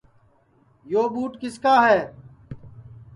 یو ٻوٹ کِس کا ہے